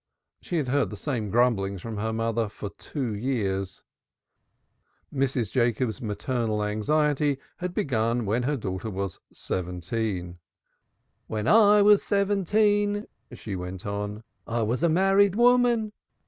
She had heard the same grumblings from her mother for two years. Mrs. Jacobs's maternal anxiety had begun when her daughter was seventeen. "When I was seventeen," she went on, "I was a married woman.